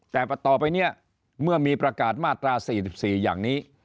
แต่ต่อไปเนี่ยเมื่อมีประกาศมาตรา๔๔อย่างนี้